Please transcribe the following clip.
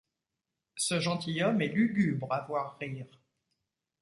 Ce gentilhomme est lugubre à voir rire.